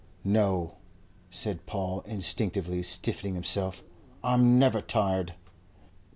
"No," said Paul, instinctively stiffening himself. "I'm never tired."